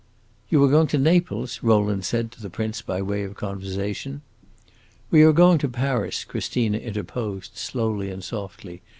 "You are going to Naples?" Rowland said to the prince by way of conversation. "We are going to Paris," Christina interposed, slowly and softly.